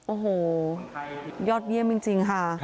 โอ้โหยอดเยี่ยมจริงค่ะ